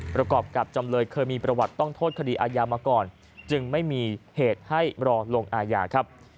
ประกอบกับจำเลยเคยมีประวัติต้องโทษคดีอาญามาก่อนจึงไม่มีเหตุให้รอลงอาญาครับ